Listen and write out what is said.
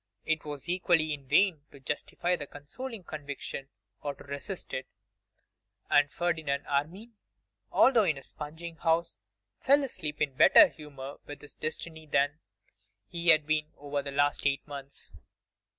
It was equally in vain to justify the consoling conviction or to resist it; and Ferdinand Armine, although in a spunging house, fell asleep in better humour with his destiny than he had been for the last eight months.